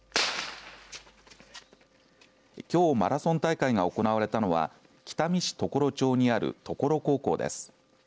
きょうマラソン大会が行われたのは北見市常呂町にある常呂高校です。